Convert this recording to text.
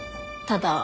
ただ。